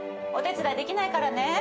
お手伝いできないからね。